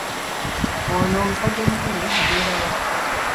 Ono musajjamukulu abeera wa?